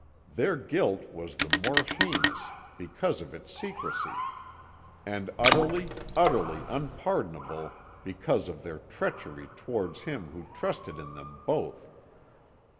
Their guilt was the more heinous because of its secrecy and utterly, utterly unpardonable because of their treachery towards him who trusted in them both.